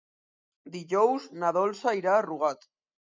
Dijous na Dolça irà a Rugat.